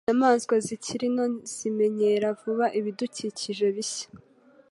Inyamaswa zikiri nto zimenyera vuba ibidukikije bishya.